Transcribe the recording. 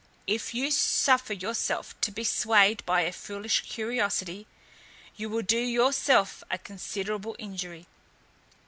If you suffer yourself to be swayed by a foolish curiosity, you will do yourself a considerable injury.